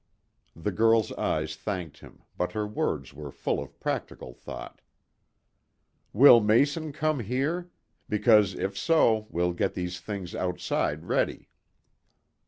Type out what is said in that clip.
The girl's eyes thanked him, but her words were full of practical thought. "Will Mason come here? Because, if so, we'll get these things outside ready."